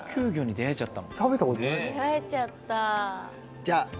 出会えちゃった。